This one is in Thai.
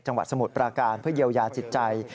สมุทรปราการเพื่อเยียวยาจิตใจ